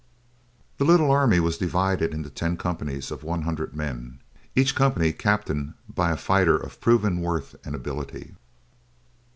The little army was divided into ten companies of one hundred men, each company captained by a fighter of proven worth and ability.